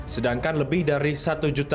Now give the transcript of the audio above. sedangkan di dunia pendidikan indonesia